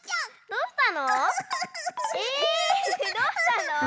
どうしたのよ？